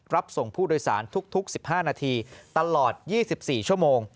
รับส่งผู้โดยสารทุก๑๕นาทีตลอด๒๔ชั่วโมง